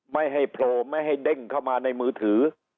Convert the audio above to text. ไม่ให้โผล่ไม่ให้เด้งเข้ามาในมือถือ